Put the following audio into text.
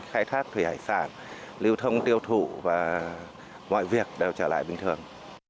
khai thác thủy hải sản lưu thông tiêu thụ và mọi việc đều trở lại bình thường